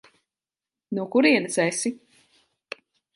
No kurienes esi?